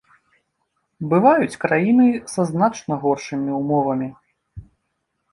Бываюць краіны са значна горшымі ўмовамі.